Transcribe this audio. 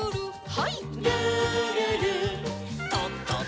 はい。